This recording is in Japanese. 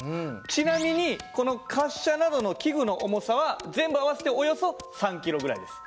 ちなみにこの滑車などの器具の重さは全部合わせておよそ３キロぐらいです。